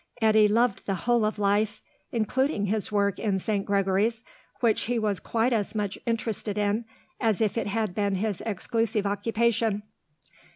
Eddy loved the whole of life, including his work in St. Gregory's, which he was quite as much interested in as if it had been his exclusive occupation.